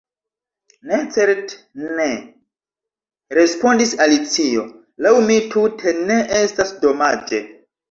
"Ne, certe ne!" respondis Alicio. "Laŭ mi tute ne estas domaĝe. »